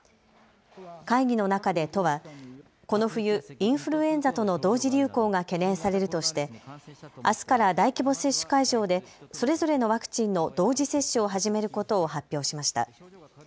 会議の中で都はこの冬インフルエンザとの同時流行が懸念されるとしてあすから大規模接種会場でそれぞれのワクチンの同時接種を始めることを発表しました。